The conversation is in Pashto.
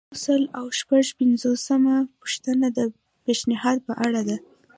یو سل او شپږ پنځوسمه پوښتنه د پیشنهاد په اړه ده.